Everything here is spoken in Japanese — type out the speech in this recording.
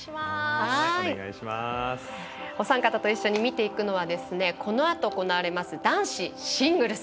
お三方と一緒に見ていくのはこのあと行われます男子シングルス。